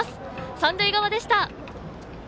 三塁側でした！